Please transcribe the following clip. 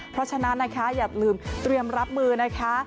เพราะฉะนั้นนะคะอย่าลืมเตรียมรับมือนะคะ